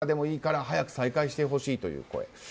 来月からでもいいから早く再開してほしいという声。